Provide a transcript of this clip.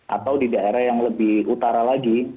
atau di daerah yang lebih utara lagi